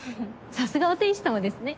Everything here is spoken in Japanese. さすがは天使様ですね。